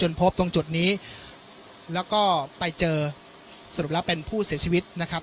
พบตรงจุดนี้แล้วก็ไปเจอสรุปแล้วเป็นผู้เสียชีวิตนะครับ